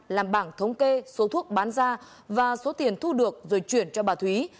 làm bảng thống kê số thuốc bán ra và số tiền thu được rồi chuyển cho bà thúy